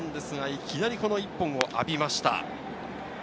いきなりこの１本をあびました。